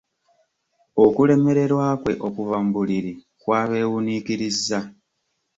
Okulemererwa kwe okuva mu buliri kwabeewuniikirizza.